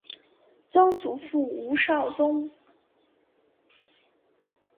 曾祖父吴绍宗。